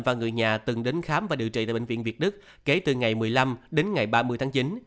và người nhà từng đến khám và điều trị tại bệnh viện việt đức kể từ ngày một mươi năm đến ngày ba mươi tháng chín